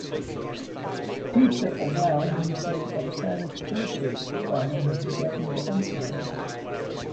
Peter availed himself of savage tortures while investigating the incident.